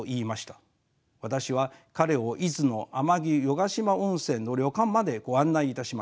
私は彼を伊豆の天城湯ヶ島温泉の旅館までご案内いたしました。